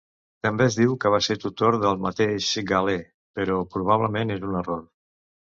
També es diu que va ser tutor del mateix Galè, però probablement és un error.